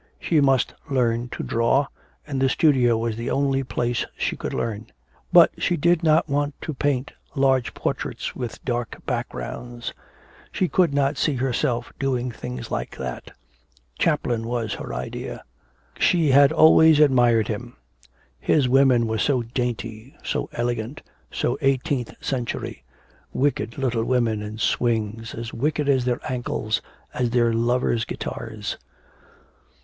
She must learn to draw, and the studio was the only place she could learn. But she did not want to paint large portraits with dark backgrounds. She could not see herself doing things like that. Chaplin was her idea. She had always admired him. His women were so dainty, so elegant, so eighteenth century wicked little women in swings, as wicked as their ankles, as their lovers' guitars.